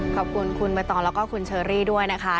ขอบคุณคุณใบตองแล้วก็คุณเชอรี่ด้วยนะคะ